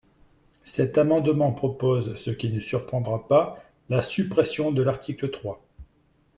Cet amendement propose, ce qui ne surprendra pas, la suppression de l’article trois.